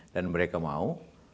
dan mereka mau